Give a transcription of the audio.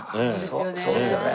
そうですよね。